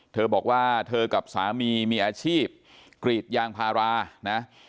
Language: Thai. เธอบอกว่าเธอกับสามีมีอาชีพกรีดยางพารานะ